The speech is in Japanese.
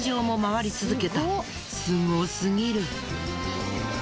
すごすぎる。